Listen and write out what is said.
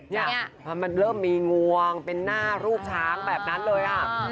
เนี่ยพอมันเริ่มมีงวงเป็นหน้ารูปช้างแบบนั้นเลยอ่ะ